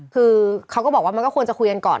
คือเขาก็บอกว่ามันก็ควรจะคุยกันก่อน